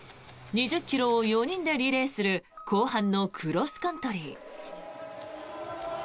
２０ｋｍを４人でリレーする後半のクロスカントリー。